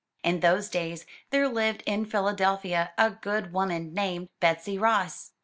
In those days there lived in Philadelphia a good woman named Betsy Ross.